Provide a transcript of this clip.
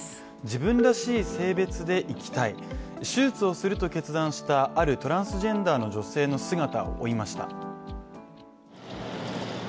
自分らしい性別で生きたい手術をすると決断したあるトランスジェンダーの女性の姿を追いました。